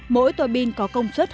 mỗi tòa pin có công suất hai mươi mw